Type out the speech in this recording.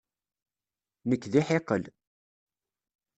Nekk d iḥiqel.